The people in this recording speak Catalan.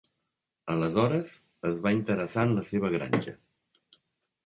Aleshores, es va interessar en la seva granja.